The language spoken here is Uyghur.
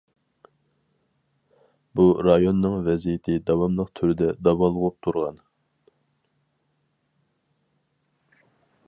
بۇ رايوننىڭ ۋەزىيىتى داۋاملىق تۈردە داۋالغۇپ تۇرغان.